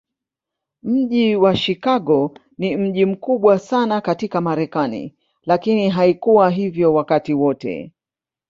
Mji wa Chicago ni mji mkubwa sana katika Marekani, lakini haikuwa hivyo wakati wote.